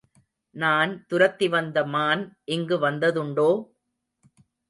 நான் துரத்தி வந்த மான் இங்கு வந்ததுண்டோ?